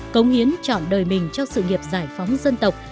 cống hiến chọn đời mình cho sự nghiệp giải phóng dân tộc